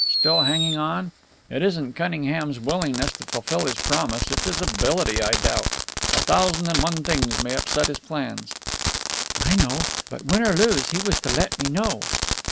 Still hanging on? It isn't Cunningham's willingness to fulfill his promise; it's his ability I doubt. A thousand and one things may upset his plans." "I know. But, win or lose, he was to let me know."